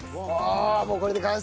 ああもうこれで完成！